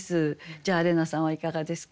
じゃあ怜奈さんはいかがですか？